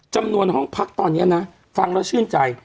จำนวนห้องพักตอนนี้นะฟังแล้วชื่นใจ